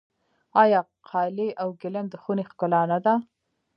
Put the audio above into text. آیا قالي او ګلیم د خونې ښکلا نه ده؟